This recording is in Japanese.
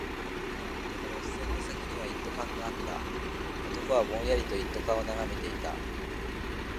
男の視線の先には一斗缶があった。男はぼんやりと一斗缶を眺めていた。